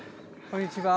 こんにちは。